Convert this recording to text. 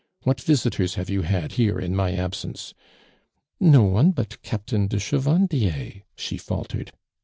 What visitors have you had here in my ab sence ?"*' No one but Captain de Chevandier," she faltered.